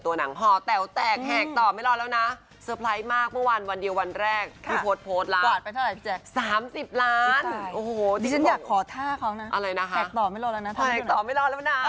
เบาแต่ดูไปมันเครียดแล้วแหละ